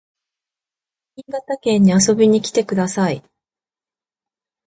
新潟県に遊びに来てください